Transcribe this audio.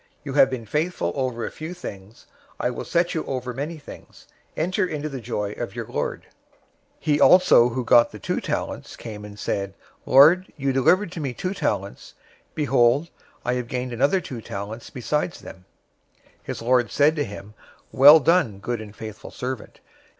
You have been faithful over a few things, I will set you over many things. Enter into the joy of your lord.' 025:022 "He also who got the two talents came and said, 'Lord, you delivered to me two talents. Behold, I have gained another two talents besides them.' 025:023 "His lord said to him, 'Well done, good and faithful servant.